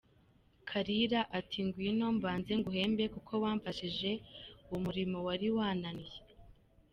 Kalira ati "Ngwino mbanze nguhembe kuko wamfashije umurimo wari wananiye".